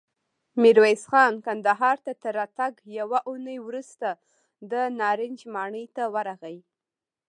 ميرويس خان کندهار ته تر راتګ يوه اوونۍ وروسته د نارنج ماڼۍ ته ورغی.